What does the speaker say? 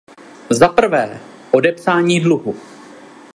Za prvé, odepsání dluhu.